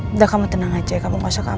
mbak kamu tenang aja ya kamu gak usah khawatir